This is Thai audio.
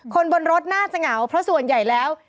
คนบนรถน่าจะเหงาเพราะส่วนใหญ่แล้ว